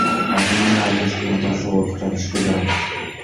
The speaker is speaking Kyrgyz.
Айтымында, Айназиктин атасы оорукчан, ишке жарамсыз.